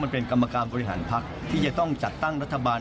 เป็นกรรมการบริหารพักที่จะต้องจัดตั้งรัฐบาล